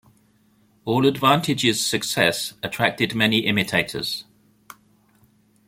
AllAdvantage's success attracted many imitators.